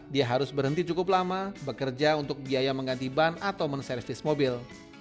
dia harus berhenti cukup lama bekerja untuk biaya mengganti ban atau menservis mobil